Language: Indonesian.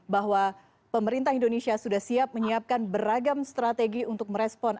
bahwa pemerintah indonesia sudah siap menyiapkan beragam strategi untuk merespon